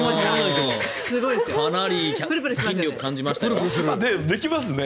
かなり筋力感じましたね。